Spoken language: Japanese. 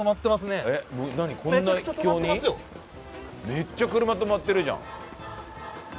めっちゃ車止まってるじゃん。